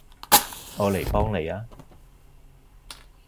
我嚟幫你吖